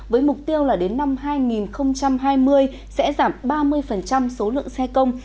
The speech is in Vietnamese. với mục tiêu là đến năm hai nghìn hai mươi sẽ giảm ba mươi số lượng xe công